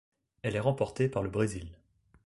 Elle est remportée par le Brésil.